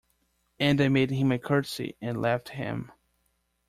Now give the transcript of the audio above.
And I made him my curtsy and left him.